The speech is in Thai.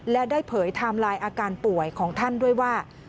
และได้เผยไทม์ไลน์อาการป่วยของท่านด้วยว่า